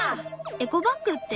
エコバッグって？